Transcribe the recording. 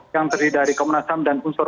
yang berdiri dari komnas ham dan unsur unsur